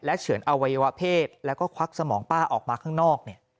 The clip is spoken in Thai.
เฉือนอวัยวะเพศแล้วก็ควักสมองป้าออกมาข้างนอก